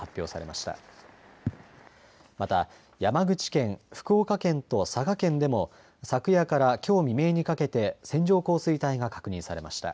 また山口県、福岡県と佐賀県でも昨夜からきょう未明にかけて線状降水帯が確認されました。